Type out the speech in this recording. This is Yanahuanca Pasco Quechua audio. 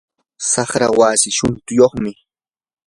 saqra wasii shutuyyuqmi.